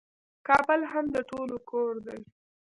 کابل هم د ټولو کور دی.